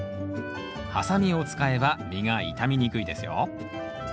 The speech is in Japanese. ハサミを使えば実が傷みにくいですよ。